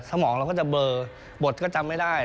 สมองเราก็จะเบลอบทก็จำไม่ได้